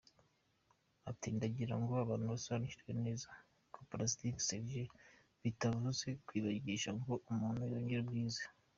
Ati: “Ndagirango abantu basobanukirwe neza ko Plastic Surgery bitavuze kwibagisha ngo umuntu yongere ubwiza.